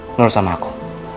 menurut sama aku